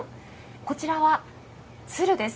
こちらは鶴です。